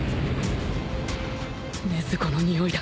禰豆子のにおいだ。